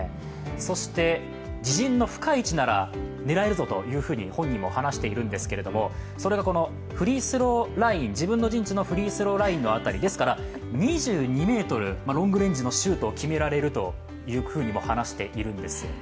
そして自陣の深い位置なら狙えるぞというふうに本人も話しているんですけれどもそれがこのフリースローライン、自分の陣地のフリースローラインの辺りですから２２ｍ、ロングレンジのシュートを決められるというふうにも話しているんです。